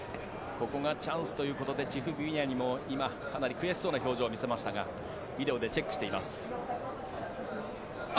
ここがチャンスということで今、かなり悔しそうな表情を見せましたがビデオでチェックしています。